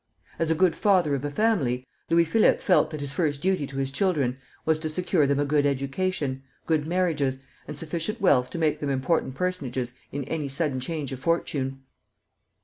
As a good father of a family, Louis Philippe felt that his first duty to his children was to secure them a good education, good marriages, and sufficient wealth to make them important personages in any sudden change of fortune.